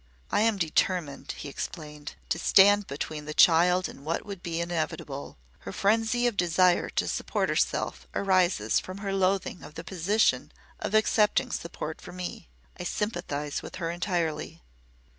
"I am determined," he explained, "to stand between the child and what would be inevitable. Her frenzy of desire to support herself arises from her loathing of the position of accepting support from me. I sympathise with her entirely."